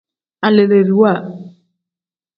Aleleeriwa.